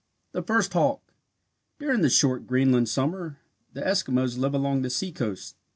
THE FIRST HAWK During the short Greenland summer the Eskimos live along the seacoast.